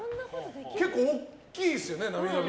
結構大きいですよね、涙袋。